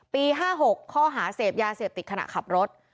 ๕๖ข้อหาเสพยาเสพติดขณะขับรถ